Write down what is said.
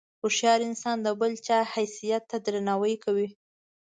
هوښیار انسان د بل چا حیثیت ته درناوی کوي.